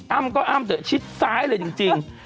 อ้ำก็อ้ำเถอะชิดซ้ายเลยจริง